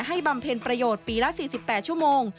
บำเพ็ญประโยชน์ปีละ๔๘ชั่วโมง